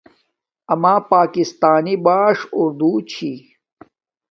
اما پاکستانݵ باݽ اورو چھی